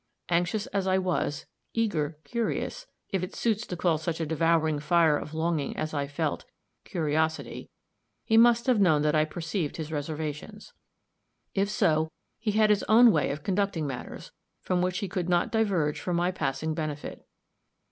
Anxious as I was, eager, curious if it suits to call such a devouring fire of longing as I felt, curiosity he must have known that I perceived his reservations; if so, he had his own way of conducting matters, from which he could not diverge for my passing benefit.